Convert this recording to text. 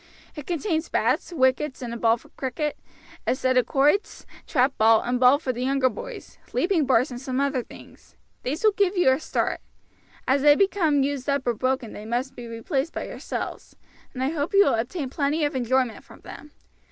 It contains bats, wickets, and a ball for cricket; a set of quoits; trap bat and ball for the younger boys; leaping bars and some other things. These will give you a start. As they become used up or broken they must be replaced by yourselves; and I hope you will obtain plenty of enjoyment from them.